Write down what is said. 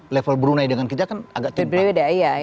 level brunei dengan kita kan agak tim pak